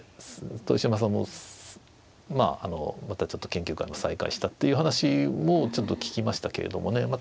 豊島さんもまたちょっと研究会を再開したっていう話もちょっと聞きましたけれどもね。